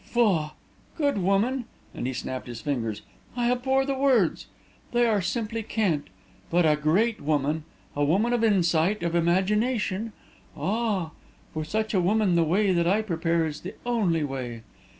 "Faugh! Good woman!" and he snapped his fingers. "I abhor the words! They are simply cant! But a great woman, a woman of insight, of imagination ah, for such a woman the Way that I prepare is the only Way.